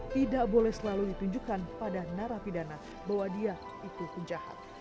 tidak boleh selalu ditunjukkan pada narapidana bahwa dia itu penjahat